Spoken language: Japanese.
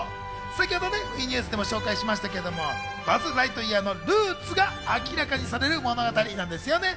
先ほどＷＥニュースでも紹介しましたけど、バズ・ライトイヤーのルーツが明らかにされる物語なんです。